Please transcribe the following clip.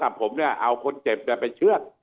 ถ้าส่งเอกชนเพราะผมเอาคนเจ็บไปเชือก